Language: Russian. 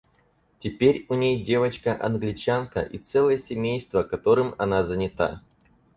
Теперь у ней девочка Англичанка и целое семейство, которым она занята.